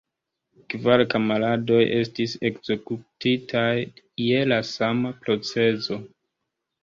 Kvar kamaradoj estis ekzekutitaj je la sama procezo.